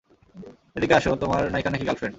এদিকে আসো, তোমার নাইকা নাকি গার্ল ফ্রেন্ড?